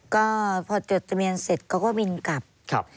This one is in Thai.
ก็พอจดทะเบียนเสร็จเขาก็บินกลับครับ